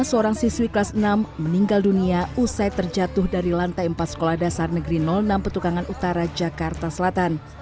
seorang siswi kelas enam meninggal dunia usai terjatuh dari lantai empat sekolah dasar negeri enam petukangan utara jakarta selatan